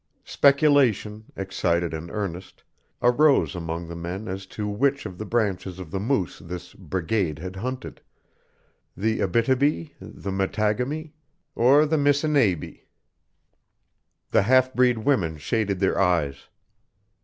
Speculation, excited and earnest, arose among the men as to which of the branches of the Moose this brigade had hunted the Abítibi, the Mattágami, or the Missináibie. The half breed women shaded their eyes.